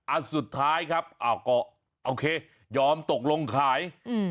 อันสุดท้ายครับอ้าวก็โอเคยอมตกลงขายอืม